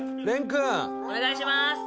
蓮君！お願いします！